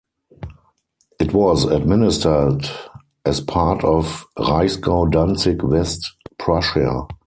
It was administered as part of Reichsgau Danzig-West Prussia.